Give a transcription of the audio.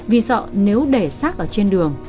vì sợ nếu để xác ở trên đường